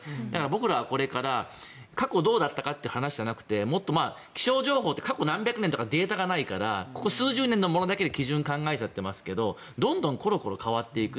僕らはこれから過去、どうだったかという話じゃなくてもっと気象情報って過去何百年とかデータがないからここ数十年のものだけで基準を考えちゃってますけどどんどんコロコロ変わっていく。